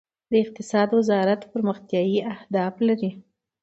د اقتصاد وزارت پرمختیايي اهداف لري؟